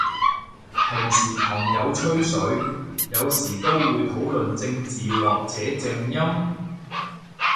平時朋友吹水，有時都會討論正字或者正音？